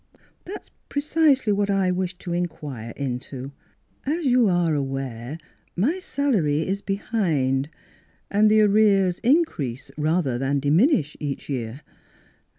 That's precisely what I wish to in quire into. As you are aware, my salary is behind ; and the arrears increase rather than diminish with each year.